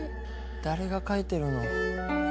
誰が書いてるの？